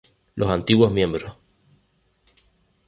Los antiguos miembros